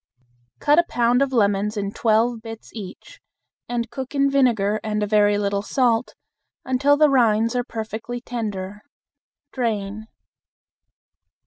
Cut a pound of lemons in twelve bits each, and cook in vinegar and a very little salt until the rinds are perfectly tender. Drain.